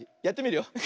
やってみるよ。